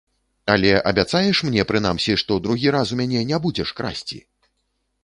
Але абяцаеш мне, прынамсі, што другі раз у мяне не будзеш красці?